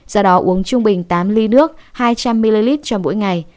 do đó uống trung bình tám ly nước hai trăm linh ml cho mỗi ngày